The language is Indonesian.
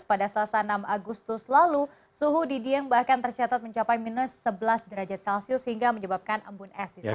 pada selasa enam agustus lalu suhu di dieng bahkan tercatat mencapai minus sebelas derajat celcius hingga menyebabkan embun es di sana